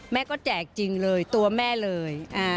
แม่ก็แจกจริงเลยตัวแม่เลย